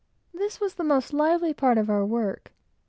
This was the most lively part of our work.